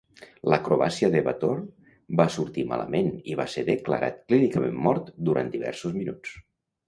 L'acrobàcia de Bator va sortir malament i va ser declarat clínicament mort durant diversos minuts.